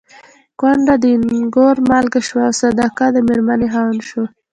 کونډه د اينګور مالکه شوه او صدک د مېرمنې خاوند شو.